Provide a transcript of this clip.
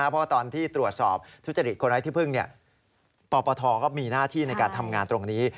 เพราะตอนที่ตรวจสอบทุจริตคนไร้ที่พึ่งปปทก็มีหน้าที่ในการทำงานตรงนี้